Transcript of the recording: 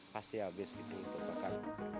pasti habis itu untuk pakan